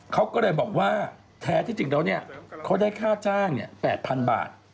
เขาก็เลยบอกว่าแท้ที่จริงแล้วเขาได้ค่าจ้าง๘๐๐๐บาท